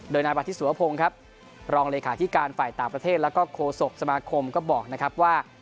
โดยนายปฏิสุวพงศ์ครับรองเลขาธิการฝ่ายต่างประเทศแล้วก็โคศกสมาคมก็บอกนะครับว่า